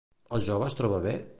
El jove es troba bé?